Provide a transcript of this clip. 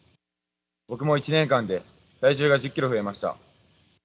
僕も１年間で体重が１０ｋｇ増えました。